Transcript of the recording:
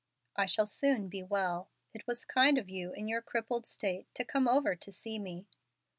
"I shall soon be well. It was kind of you, in your crippled state, to come over to see me."